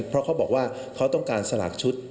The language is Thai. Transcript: เพราะเขาบอกว่าเขาต้องการสลากชุด